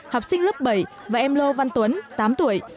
học sinh lớp bảy và em lô văn tuấn tám tuổi